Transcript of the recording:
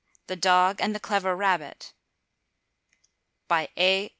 THE DOG AND THE CLEVER RABBIT A.